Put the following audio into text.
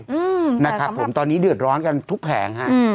อืมแต่สำหรับตอนนี้เดือดร้อนกันทุกแผงค่ะ